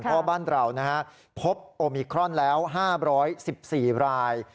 เพราะบ้านเราพบโอมิครอนแล้ว๕๑๔ราย